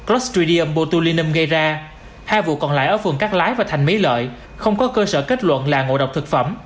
lostrdium bot botulinum gây ra hai vụ còn lại ở phường cát lái và thành mỹ lợi không có cơ sở kết luận là ngộ độc thực phẩm